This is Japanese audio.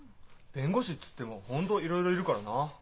弁護士っつっても本当いろいろいるからな。